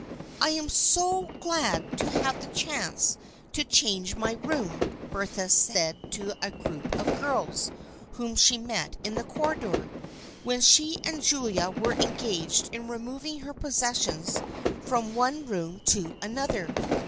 " I am so glad to have this chance to change my 153 154 THE FRIENDSHIP OF ANNE room," Bertha had said to a group of girls whom she met in the corridor, when she and Julia were engaged in removing her possessions from one room to another.